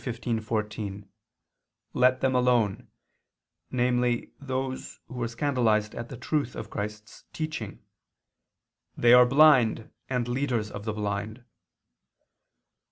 15:14, "Let them alone," those namely who were scandalized at the truth of Christ's teaching, "they are blind, and leaders of the blind."